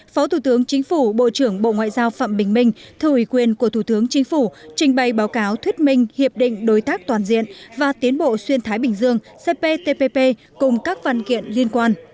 phó thủ tướng chính phủ bộ trưởng bộ ngoại giao phạm bình minh thư ủy quyền của thủ tướng chính phủ trình bày báo cáo thuyết minh hiệp định đối tác toàn diện và tiến bộ xuyên thái bình dương cptpp cùng các văn kiện liên quan